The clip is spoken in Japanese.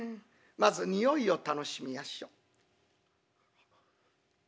まずにおいを楽しみやしょ」。